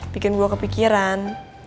bikin gue kepikiran